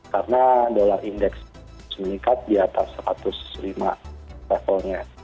karena dolar indeks meningkat di atas satu ratus lima levelnya